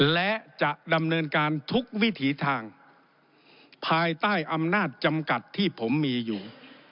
และจะดำเนินการทุกวิถีทางภายใต้อำนาจจำกัดที่ผมมีอยู่